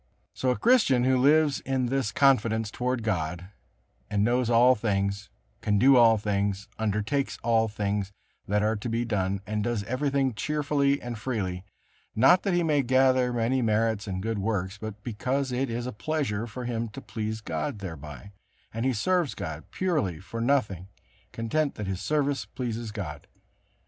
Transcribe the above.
So a Christian who lives in this confidence toward God, a knows all things, can do all things, undertakes all things that are to be done, and does everything cheerfully and freely; not that he may gather many merits and good works, but because it is a pleasure for him to please God thereby, and he serves God purely for nothing, content that his service pleases God.